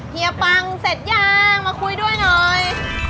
เฮียปังเสร็จยังมาคุยด้วยหน่อย